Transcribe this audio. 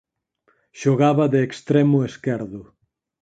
Xogaba de extremo esquerdo.